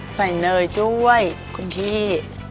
เนยด้วยคุณพี่